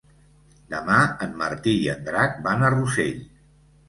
Demà en Martí i en Drac van a Rossell.